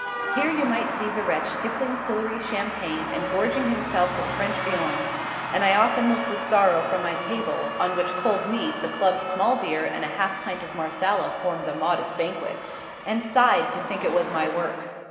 Here you might see the wretch tippling Sillery champagne and gorging himself with French viands; and I often looked with sorrow from my table, (on which cold meat, the Club small beer, and a half pint of Marsala form the modest banquet,) and sighed to think it was my work.